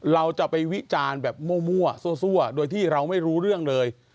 เราจะไปวิจารณ์แบบมั่วซั่วโดยที่เราไม่รู้เรื่องเลย